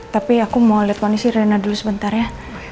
tapi aku mau liat ponisi rena dulu sebentar ya